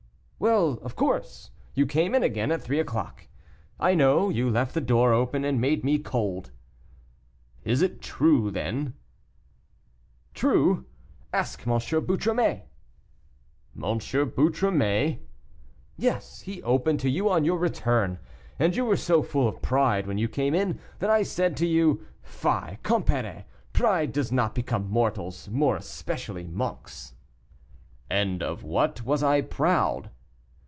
"Well, of course; you came in again at three o'clock. I know; you left the door open, and made me cold." "It is true, then?" "True! ask M. Boutromet." "M. Boutromet?" "Yes, he opened to you on your return. And you were so full of pride when you came in, that I said to you, 'Fie, compère; pride does not become mortals, more especially monks.'" "And of what was I proud?"